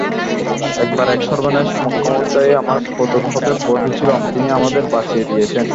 একবার এক সর্বনেশে মকদ্দমায় আমরা ফতুর হতে বসেছিলুম, তিনি আমাদের বাঁচিয়ে দিয়েছেন।